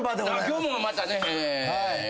今日もまたね。